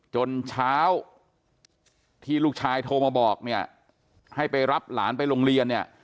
จนเช้าที่ลูกชายโทรมาบอกเนี่ยให้ไปรับหลานไปโรงเรียนเนี่ย